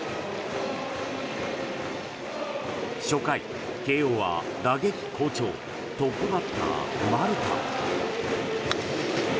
初回、慶応は打撃好調トップバッター、丸田。